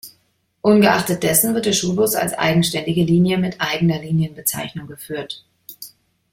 Ungeachtet dessen wird der Schulbus als eigenständige Linie mit eigener Linienbezeichnung geführt.